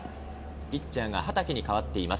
ピッチャーが畠に代わっています。